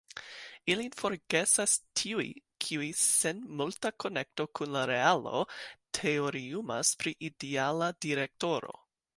Ilin forgesas tiuj, kiuj sen multa konekto kun la realo teoriumas pri ideala direktoro.